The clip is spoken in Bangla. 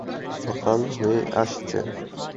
সকাল হয়ে আসছে।